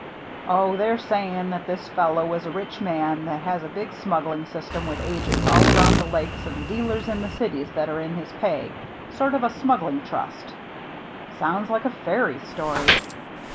"Oh, they're saying that this fellow is a rich man that has a big smuggling system with agents all around the Lakes and dealers in the cities that are in his pay, — sort of a smuggling trust." "Sounds like a fairy story."